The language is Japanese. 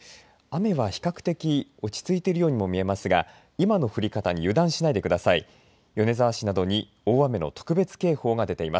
雨は比較的落ち着いているようにも見えますが今の降り方に油断しないでください。